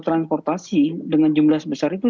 transportasi dengan jumlah sebesar itu